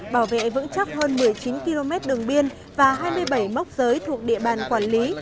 bảo vệ vững chắc hơn một mươi chín km đường biên và hai mươi bảy mốc giới thuộc địa bàn quản lý